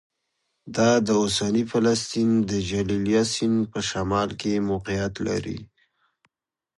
دا د اوسني فلسطین د جلیلیه سیند په شمال کې موقعیت لري